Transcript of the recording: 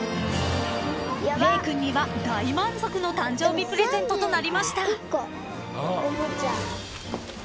［れい君には大満足の誕生日プレゼントとなりました］